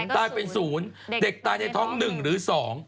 ตายเป็น๐เด็กตายในท้อง๑หรือ๒